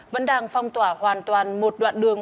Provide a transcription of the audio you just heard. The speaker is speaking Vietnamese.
vẫn đang phong tỏa hoàn toàn một đoạn đường